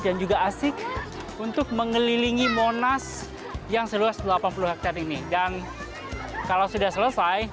dan juga asyik untuk mengelilingi monas yang seluas delapan puluh hektare ini dan kalau sudah selesai